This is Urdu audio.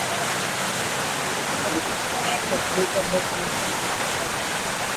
لیکن تیسرے دن ایک فیکٹری کے اندر پولیس نے مزدوروں پر فائرنگ کر دی